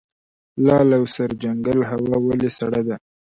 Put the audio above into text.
لعل او سرجنګل هوا ولې سړه ده؟